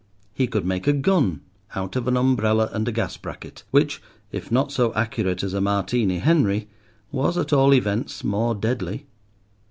He could make a gun out of an umbrella and a gas bracket, which, if not so accurate as a Martini Henry, was, at all events, more deadly.